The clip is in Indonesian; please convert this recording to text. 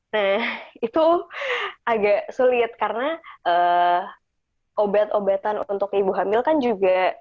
nah itu agak sulit karena obat obatan untuk ibu hamil kan juga